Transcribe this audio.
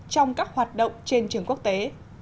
trong các hoạt động trên trường quốc tế